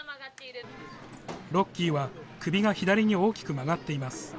ロッキーは首が左に大きく曲がっています。